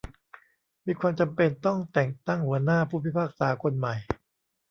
มีความจำเป็นต้องแต่งตั้งหัวหน้าผู้พิพากษาคนใหม่